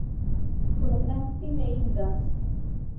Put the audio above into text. Prokrasti ne indas.